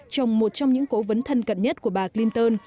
chồng một trong những cố vấn thân cận nhất của bà clinton